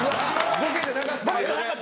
ボケじゃなかった。